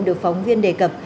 được phóng viên đề cập